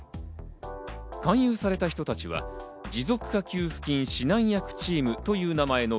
勧誘された人たちは持続化給付金指南役チームという名前の